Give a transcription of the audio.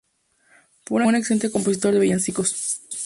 Fue un excelente compositor de villancicos.